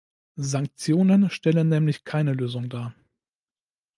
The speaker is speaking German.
Sanktionen stellen nämlich keine Lösung dar.